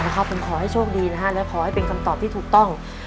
ผมขอให้โชคดีนะฮะและขอให้เป็นคำตอบที่ถูกต้อง